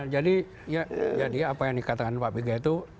ya jadi apa yang dikatakan pak piga itu